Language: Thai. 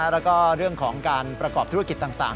แล้วก็เรื่องของการประกอบธุรกิจต่าง